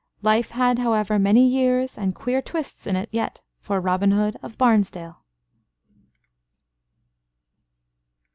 Life had, however, many years and queer twists in it yet for Robin Hood of Barnesdale.